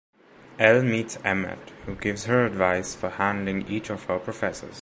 Elle meets Emmett, who gives her advice for handling each of her professors.